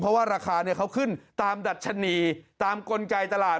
เพราะว่าราคาเขาขึ้นตามดัชนีตามกลไกตลาด